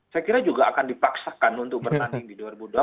saya kira juga akan dipaksakan untuk bertanding di dua ribu dua puluh